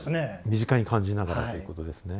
身近に感じながらということですね。